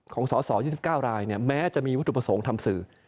ของสอสอ๒๙รายเนี่ยแม้จะมีวัตถุประสงค์ทำสื่อ